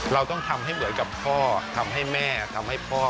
เราต้องทำให้เหมือนกับพ่อทำให้แม่ทำให้พ่อ